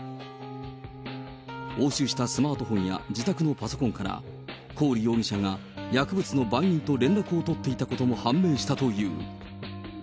押収したスマートフォンや自宅のパソコンから、コーリ容疑者が薬物の売人と連絡を取っていたことも判明したという。